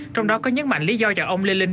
trong đó có nhấn mạnh lý do cho ông lê linh